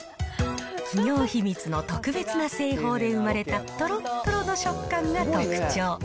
企業秘密の特別な製法で生まれたとろっとろの食感が特徴。